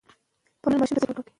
پاملرنه ماشوم زده کوونکی کوي.